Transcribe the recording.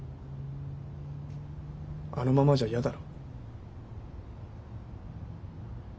あのままじゃ嫌だろ？